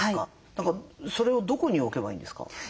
それをどこに置けばいいんですか？